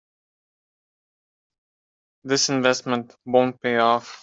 This investment won't pay off.